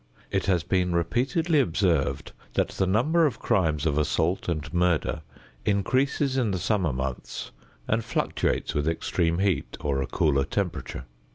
It has been repeatedly observed that the number of crimes of assault and murder increases in the summer months and fluctuates with extreme heat or a cooler temperature.